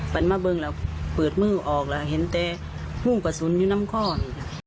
ฟันมาเบิ้งแล้วเปิดมือออกแล้วเห็นแต่มุ่งกระสุนอยู่น้ำข้อ